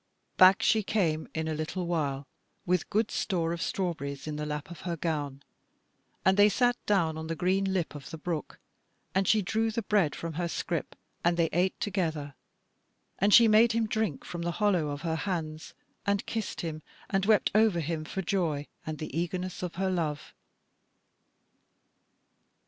Back she came in a little while with good store of strawberries in the lap of her gown, and they sat down on the green lip of the brook, and she drew the bread from her scrip and they ate together, and she made him drink from the hollow of her hands, and kissed him and wept over him for joy, and the eagerness of her love.